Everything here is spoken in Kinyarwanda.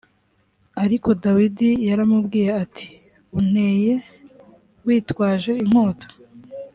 ariko dawidi yaramubwiye ati unteye witwaje inkota